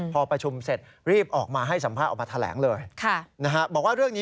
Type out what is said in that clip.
พอประชุมเสร็จรีบออกมาให้สัมภาพไปแทรงเลย